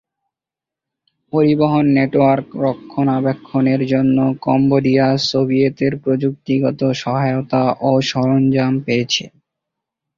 পরিবহন নেটওয়ার্ক রক্ষণাবেক্ষণের জন্য কম্বোডিয়া সোভিয়েতের প্রযুক্তিগত সহায়তা ও সরঞ্জাম পেয়েছে।